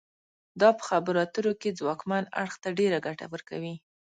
دا په خبرو اترو کې ځواکمن اړخ ته ډیره ګټه ورکوي